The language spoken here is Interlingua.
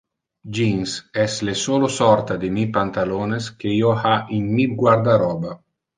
Jeans es le solo sorta de pantalones que io ha in mi guardaroba.